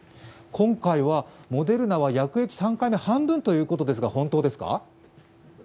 今回はモデルナは薬液３回目、半分ということですが本当ですか？